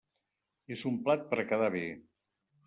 És un plat per a quedar bé.